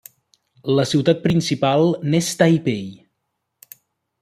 La ciutat principal n'és Taipei.